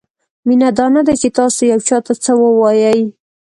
مینه دا نه ده چې تاسو یو چاته څه ووایئ.